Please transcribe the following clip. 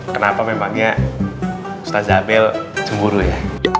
kenapa memangnya ustadz zabel cemburu ya